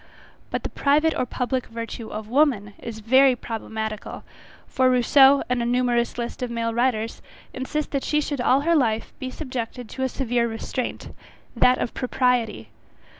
But, the private or public virtue of women is very problematical; for Rousseau, and a numerous list of male writers, insist that she should all her life, be subjected to a severe restraint, that of propriety.